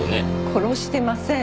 殺してません。